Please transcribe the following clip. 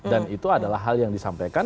dan itu adalah hal yang disampaikan